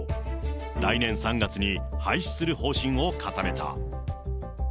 来年３月に廃止する方針を固めた。